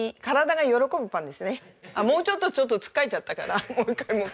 もうちょっとちょっとつっかえちゃったからもう一回もう一回。